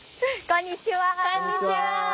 こんにちは。